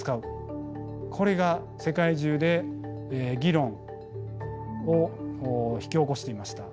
これが世界中で議論を引き起こしていました。